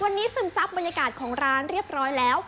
วันนี้ซึมซับบรรยากาศของร้านเรียบร้อยแล้ว